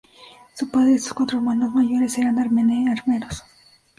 Su padre y sus cuatro hermanos mayores eran armeros.